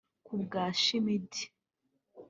Ku bwa Schmidt